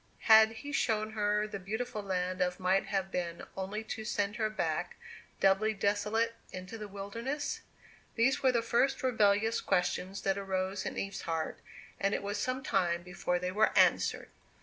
Had He shown her the beautiful land of Might have been only to send her back, doubly desolate, into the wilderness? These were the first rebellious questions that arose in Eve's heart, and it was some time before they were answered.